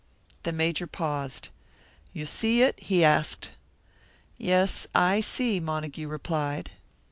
The Major paused. "You see it?" he asked. "Yes, I see," Montague replied.